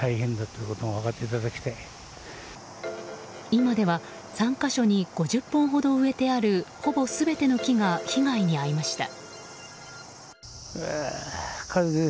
今では３か所に５０本ほど植えてあるほぼ全ての木が被害に遭いました。